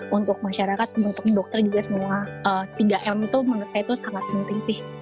rindu pasti saya rindu sama keluarga di rumah apalagi ngeliat keluarga semua bisa kumpul